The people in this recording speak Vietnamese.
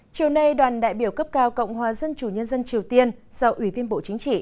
chiều nay đoàn đại biểu cấp cao cộng hòa dân chủ nhân dân triều tiên do ủy viên bộ chính trị